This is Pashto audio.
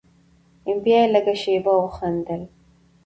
بيا يې لږه شېبه وخندل.